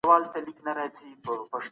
پايزيبونه زما بدن خوري